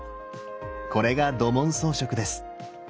これが土紋装飾です。